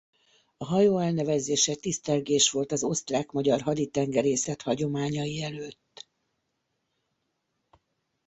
A hajó elnevezése tisztelgés volt az osztrák–magyar haditengerészet hagyományai előtt.